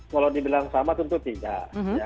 kalau dibilang sama tentu tidak